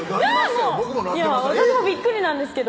私もびっくりなんですけど